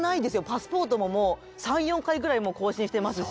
パスポートももう３４回ぐらい更新してますし。